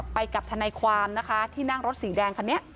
ไปกับทนายความนะคะที่นั่งรถสีแดงคันนี้